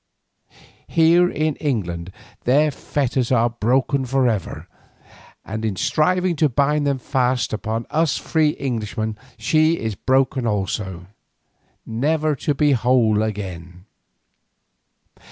Here in England their fetters are broken for ever, and in striving to bind them fast upon us free Englishmen she is broken also—never to be whole again.